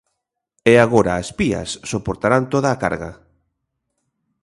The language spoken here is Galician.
E agora As Pías soportarán toda a carga.